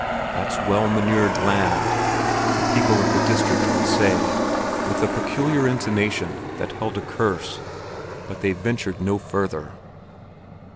"That's well manured land," the people of the district would say, with a peculiar intonation that held a curse; but they ventured no further.